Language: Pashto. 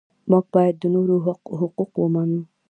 موږ باید د نورو حقوق ومنو.